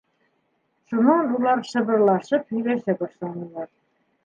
Шунан улар шыбырлашып һөйләшә башланылар.